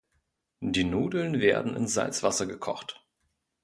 Die Nudeln werden in Salzwasser gekocht.